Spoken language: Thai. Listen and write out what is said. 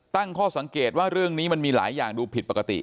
ตั้งข้อสังเกตว่าเรื่องนี้มันมีหลายอย่างดูผิดปกติ